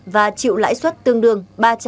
và chịu lãi suất tương đương